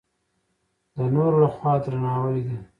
د نورو له خوا درناوی ده.